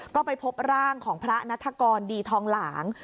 ก็ไปพบร่างของพระนัฐกรดีทองหลาง